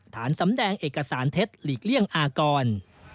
สำแดงเอกสารเท็จหลีกเลี่ยงอากร